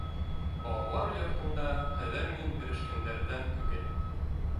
Балалар йортонда хәҙер мин бирешкәндәрҙән түгел.